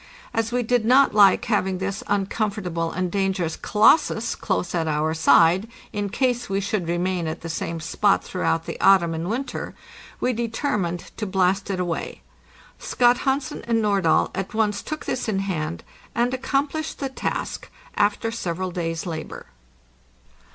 As we did not like having this uncomfortable and dangerous colossus close at our side, in case we should remain at the same spot throughout the autumn and winter, we determined to blast it away. Scott Hansen and Nordahl at once took this in hand, and accomplished the task after several days' labor.